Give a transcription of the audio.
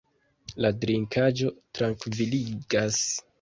La drinkaĵo trankviligas.